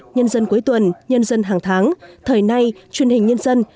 nhân dân cuối tuần nhân dân hàng tháng thời nay truyền hình nhân dân